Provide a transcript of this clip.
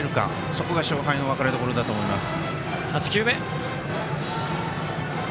そこが勝敗の別れどころだと思います。